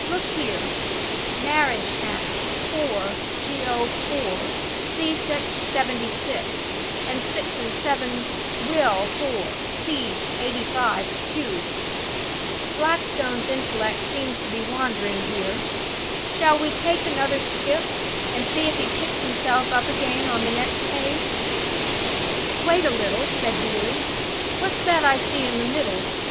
Look here: 'Marriage Acts, 4 Geo. IV., c. 76, and 6 and 7 Will. IV., c. 85 (q).' Blackstone's intellect seems to be wandering here. Shall we take another skip, and see if he picks himself up again on the next page?" "Wait a little," said Neelie; "what's that I see in the middle?"